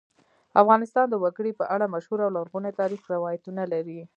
افغانستان د وګړي په اړه مشهور او لرغوني تاریخی روایتونه لري.